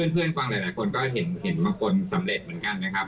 ฟังหลายคนก็เห็นบางคนสำเร็จเหมือนกันนะครับ